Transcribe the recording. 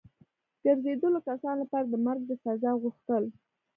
ګرځېدلو کسانو لپاره د مرګ د سزا غوښتل.